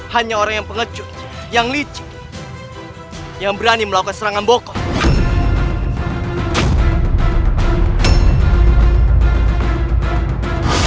hanya orang yang pengecut yang licin yang berani melakukan serangan bokok